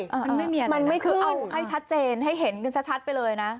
มันไม่มีอะไรนะคือเอามันไม่ขึ้นให้ชัดเจนให้เห็นชัดไปเลยนะ